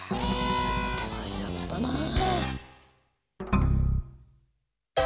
ついてないやつだなあ。